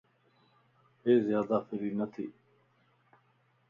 اي زيادا فري نه ڇي